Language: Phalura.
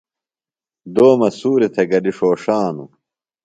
دومہ سُوریۡ تھےۡ گلیۡ ݜوݜانوۡ۔